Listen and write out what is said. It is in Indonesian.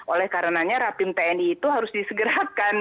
oleh karenanya rapim tni itu harus disegerakan